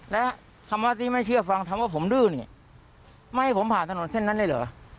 และคำว่าที่ไม่เชื่อฟังคำว่าผมดื้อเนี่ยไม่ให้ผมผ่านถนนเส้นนั้นเลยเหรอ